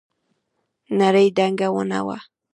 نرۍ دنګه ونه وه.